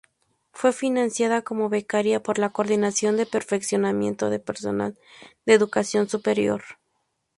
Fue financiada, como becaria, por la Coordinación de Perfeccionamiento de Personal de Educación Superior.